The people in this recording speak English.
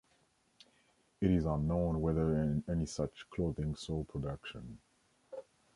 It is unknown whether any such clothing saw production.